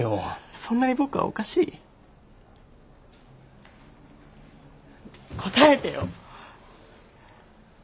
そんなに僕はおかしい？答えてよ！